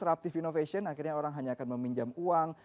seruptive innovation akhirnya orang hanya akan meminjam uang